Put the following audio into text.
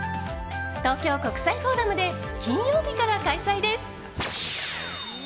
東京国際フォーラムで金曜日から開催です。